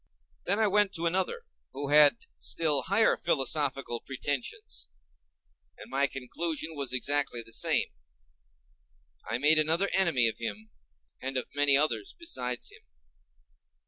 Then I went to another, who had still higher philosophical pretensions, and my conclusion was exactly the same. I made another enemy of him, and of many others besides him.